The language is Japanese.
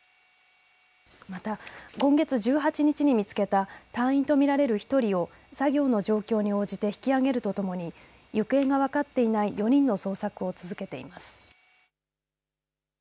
また今月１８日に見つけた隊員と見られる１人を作業の状況に応じて引きあげるとともに行方が分かっていない４人の捜索を続けています。